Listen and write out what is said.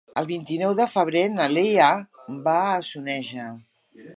El vint-i-nou de febrer na Lea va a Soneja.